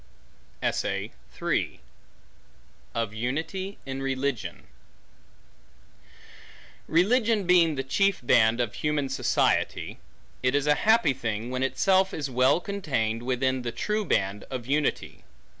Of Unity In Religion RELIGION being the chief band of human society, it is a happy thing, when itself is well contained within the true band of unity.